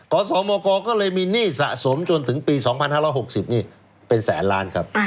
ขอสมกก็เลยมีหนี้สะสมจนถึงปี๒๕๖๐นี่เป็นแสนล้านครับ